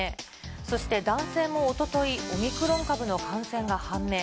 そして男性もおとといオミクロン株の感染が判明。